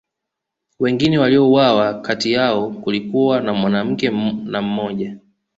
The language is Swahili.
wengine waliouawa kati yao kulikuwa na mwanamke na mmoja